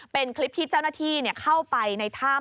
เป็นคลิปที่เจ้าหน้าที่เข้าไปในถ้ำ